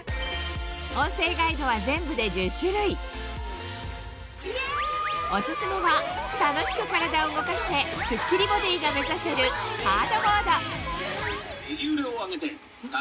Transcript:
音声ガイドは全部で１０種類オススメは楽しく体を動かしてスッキリボディーが目指せるえ？